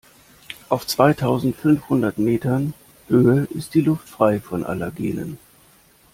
Auf zweitausendfünfhundert Metern Höhe ist die Luft frei von Allergenen.